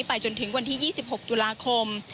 จนถึงวันที่๒๖ตุลาคม